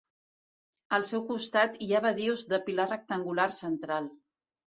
Al seu costat hi ha badius de pilar rectangular central.